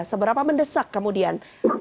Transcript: seberapa mendesak kemudian